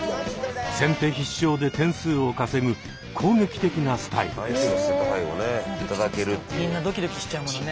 先手必勝で点数を稼ぐ攻撃的なスタイルです。